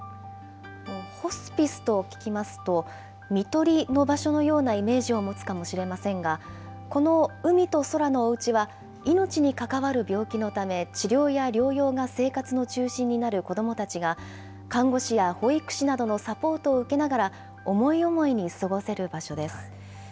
ホスピスと聞きますと、みとりの場所のようなイメージを持つかもしれませんが、このうみとそらのおうちは、命に関わる病気のため、治療や療養が生活の中心になる子どもたちが、看護師や保育士などのサポートを受けながら、思い思いに過ごせる場所です。